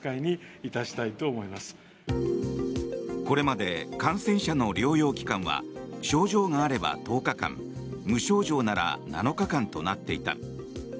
これまで感染者の療養期間は症状があれば１０日間無症状なら７日間となっていた。